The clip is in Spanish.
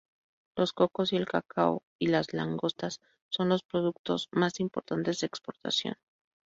Los cocos, el cacao y las langostas son los productos más importantes de exportación.